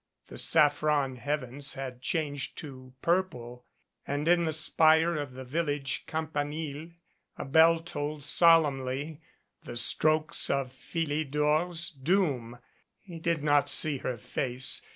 The saffron heavens had changed to purple, and in the spire of the village campanile a bell tolled solemnly the strokes of Philidor's doom. He did not see her face.